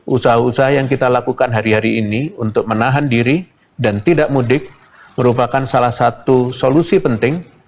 usaha usaha yang kita lakukan hari hari ini untuk menahan diri dan tidak mudik merupakan salah satu solusi penting